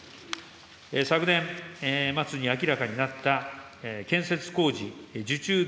昨年末に明らかになった建設工事受注